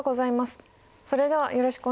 それではよろしくお願いいたします。